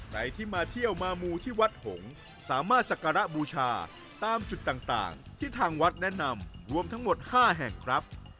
ใครที่มาเที่ยวมามูที่วัดหงษ์สามารถสักการะบูชาตามจุดต่างที่ทางวัดแนะนำรวมทั้งหมด๕แห่งครับ